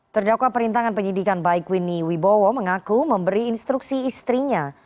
terdakwa perintangan penyidikan baikwini wibowo mengaku memberi instruksi istrinya